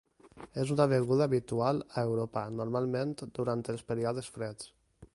És una beguda habitual a Europa, normalment durant els períodes freds.